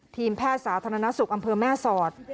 ทีมแพทย์สาธารณสุขอำเภอแม่สอด